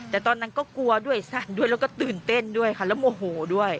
แต่ตอนนั้นก็กลัวด้วยสั้นด้วยแล้วก็ตื่นเต้นด้วยค่ะแล้วโมโหด้วย